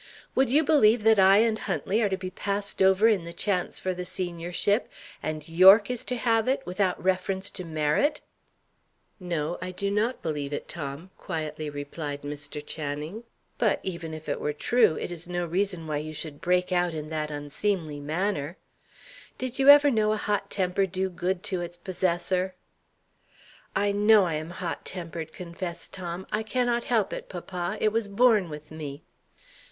"Would you believe that I and Huntley are to be passed over in the chance for the seniorship, and Yorke is to have it, without reference to merit?" "No, I do not believe it, Tom," quietly replied Mr. Channing. "But, even were it true, it is no reason why you should break out in that unseemly manner. Did you ever know a hot temper do good to its possessor?" "I know I am hot tempered," confessed Tom. "I cannot help it, papa; it was born with me."